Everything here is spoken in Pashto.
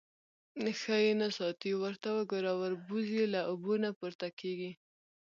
_ښه يې نه ساتې. ورته وګوره، وربوز يې له اوبو نه پورته کېږي.